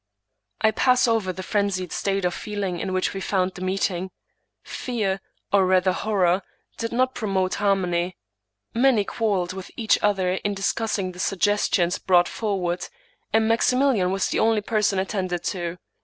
I pass over the frenzied state of feeling in which we found the meeting. Fear, or rather horror, did not promote har mony; many quarreled with each other in discussing the suggestions brought forward, and Maximilian was the only person attended to.